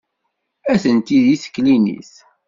Atenti deg teklinit.